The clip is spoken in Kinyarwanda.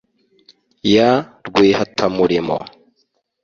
ya rwihatamurimo